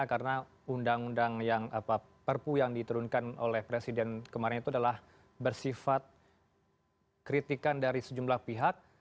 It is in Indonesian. karena undang undang yang perpu yang diturunkan oleh presiden kemarin itu adalah bersifat kritikan dari sejumlah pihak